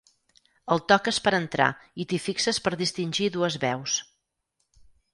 El toques per entrar i t'hi fixes per distingir dues veus.